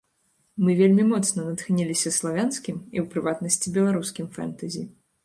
Мы вельмі моцна натхніліся славянскім, і, у прыватнасці, беларускім фэнтэзі.